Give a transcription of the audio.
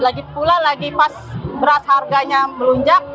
lagi pula pas beras harganya melunjak